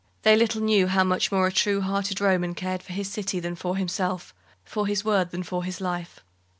They little knew how much more a true hearted Roman cared for his city than for himself for his word than for his life.